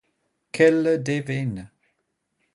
Quelle déveine!